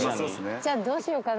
じゃあどうしようかな。